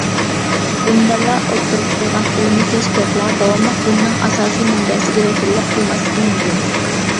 دىندارلار ئوتتۇرىغا قويغان ئىلمىي كەشپىياتلار داۋاملىق دىننىڭ ئاساسى مەنبەسىگە ۋەكىللىك قىلماسلىقى مۇمكىن.